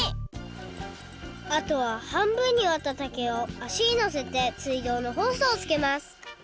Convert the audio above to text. あとは半分にわった竹をあしにのせてすいどうのホースをつけます！